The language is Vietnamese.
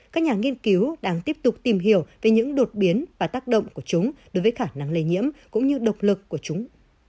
các nhà nghiên cứu đang tiếp tục tìm hiểu về những đột biến và tác động của chúng đối với khả năng lây nhiễm cũng như độc lực của chúng